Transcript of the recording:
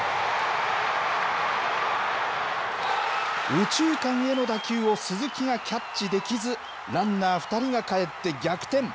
右中間への打球を鈴木がキャッチできず、ランナー２人がかえって、逆転。